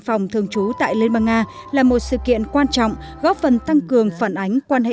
phòng thường trú tại liên bang nga là một sự kiện quan trọng góp phần tăng cường phản ánh quan hệ